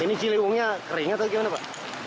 ini ciliwungnya kering atau gimana pak